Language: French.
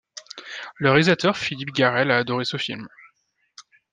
Le réalisateur Philippe Garrel a adoré ce film.